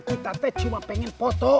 kita teh cuma pengen foto